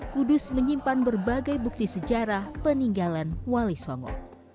kudus menyimpan berbagai bukti sejarah peninggalan wali songo